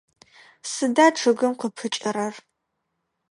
Сыда чъыгым къыпыкӏэрэр?